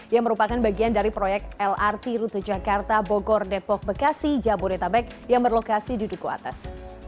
yang merupakan bagian dari proyek lrt rute jakarta bogor depok bekasi jabodetabek yang berlokasi di duku atas